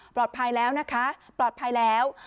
ปลอดภัยแล้วนะคะปลอดภัยแล้ว